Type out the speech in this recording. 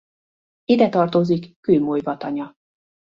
Ide tartozik Kőmolyva-tanya.